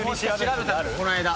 この間。